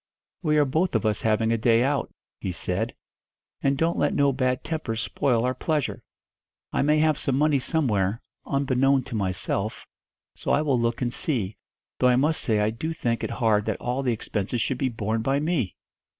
'We are both of us having a day out,' he said, 'and don't let no bad tempers spoil our pleasure. I may have some money somewhere, unbeknown to myself, so I will look and see; though I must say I do think it hard that all the expenses should be borne by me!'